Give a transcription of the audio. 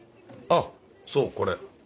あっそうこれ。